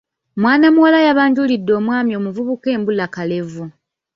Mwana muwala yabanjulidde omwami omuvubuka embulakalevu.